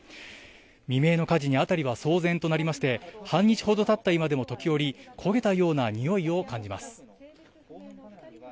未明の火事に辺りは騒然となりまして、半日ほどたった今でも時折、焦げたような臭いを感じます。